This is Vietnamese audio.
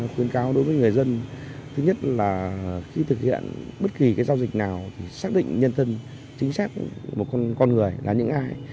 khi thực hiện bất kỳ giao dịch nào xác định nhân thân chính xác một con người là những ai